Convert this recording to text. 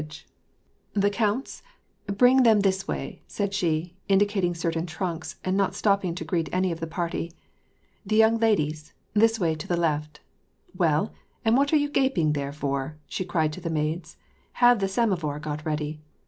WAR AND PEACE. 331 "The count's ?— bring them this way," said she, indicating certain trunks, and not stopping to greet any of the party. "The young ladies', this way to the left! — Well, and what are you gaping there for ?" she cried to the maids. "Have the samovar got ready.